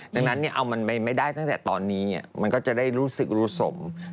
ดังนั้นเอามันไม่ได้ตั้งแต่ตอนนี้มันก็จะได้รู้สึกรู้สม